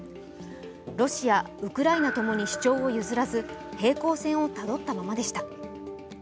ロシア、ウクライナ共に主張を譲らず、平行線をたどったままでした。